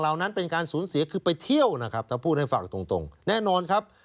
นั้นเป็นการสูญเสียคือไปเที่ยวนะครับถ้าพูดให้ฟังตรงตรงแน่นอนครับ